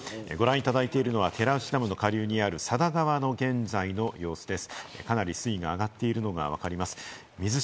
ご覧いただいてるのは、寺内ダムの下流にある佐田川の現在の様子です。